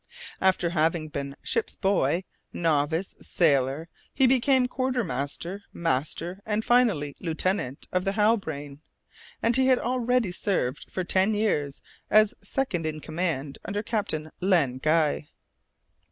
After having been ship's boy, novice, sailor, he became quartermaster, master, and finally lieutenant of the Halbrane, and he had already served for ten years as second in command under Captain Len Guy.